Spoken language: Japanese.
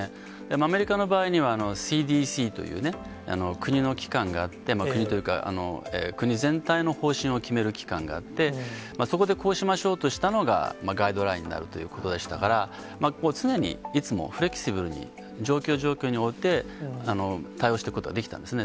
アメリカの場合には、ＣＤＣというね、国の機関があって、国というか、国全体の方針を決める機関があって、そこでこうしましょうとしたのが、ガイドラインになるということでしたから、常にいつも、フレキシブルに状況、状況において、対応していくことができたんですね。